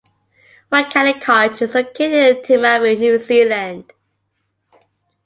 Roncalli College is located in Timaru, New Zealand.